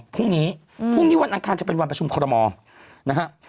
พรุ่งนี้พรุ่งนี้วันอาจารย์เป็นวันประชุมคารมอนนะครับ